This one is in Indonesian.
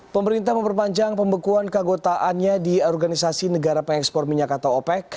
pemerintah memperpanjang pembekuan keagotaannya di organisasi negara pengekspor minyak atau opec